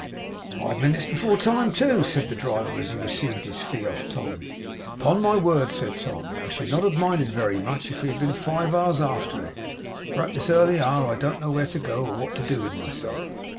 'Five minutes before the time, too!' said the driver, as he received his fee of Tom. 'Upon my word,' said Tom, 'I should not have minded very much, if we had been five hours after it; for at this early hour I don't know where to go, or what to do with myself.